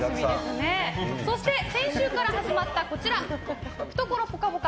そして、先週から始まった懐ぽかぽか！